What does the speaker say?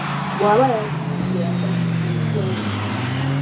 Bw'aba yazisse addamu nti nswemu.